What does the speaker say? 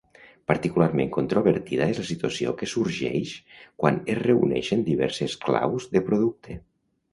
Particularment controvertida és la situació que sorgeix quan es reuneixen diverses claus de producte.